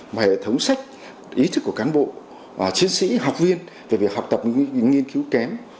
mà hệ thống sách ý thức của cán bộ chiến sĩ học viên về việc học tập nghiên cứu kém